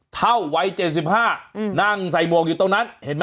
เท่าวัย๗๕นั่งใส่หมวกอยู่ตรงนั้นเห็นไหม